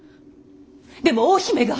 でも大姫が。